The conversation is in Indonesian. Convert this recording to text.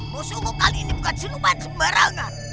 musuhmu kali ini bukan siluman sembarangan